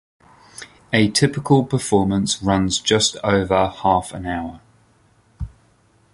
A typical performance runs just over half an hour.